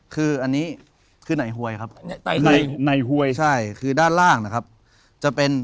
คือ